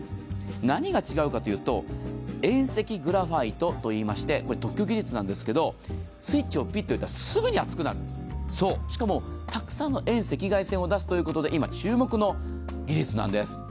何が違うかというと、遠赤グラファイトといいまして、特許技術なんですけどスイッチをピッと入れたらすぐに熱くなるしかも、たくさんの遠赤外線を出すということで、今注目の技術なんです。